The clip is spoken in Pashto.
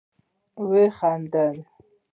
وخندله